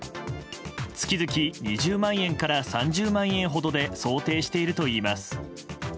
月々２０万円から３０万円ほどで想定しているといいます。